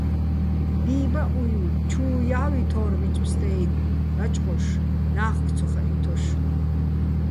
ბი́ბაჸუჲვ ჩუუ ჲავჲითორ მიჩო̆ ბსტე́იგო̆, ლაჭყუშ, ნა́ხგო̆ ცო ხაჸითოშ.